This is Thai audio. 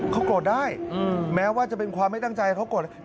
เขากลดได้แม้ว่าจะเป็นความไม่ตั้งใจเขากลดได้